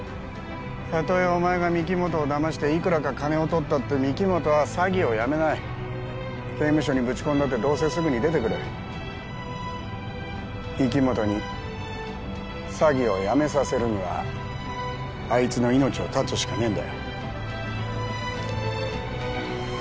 たとえお前が御木本をだましていくらか金を取ったって御木本は詐欺をやめない刑務所にぶち込んだってどうせすぐに出てくる御木本に詐欺をやめさせるにはあいつの命を絶つしかねえんだよ